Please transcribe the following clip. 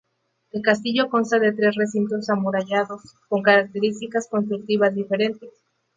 El castillo consta de tres recintos amurallados, con características constructivas diferentes.